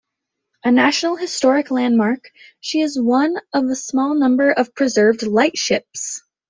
A National Historic Landmark, she is one of a small number of preserved lightships.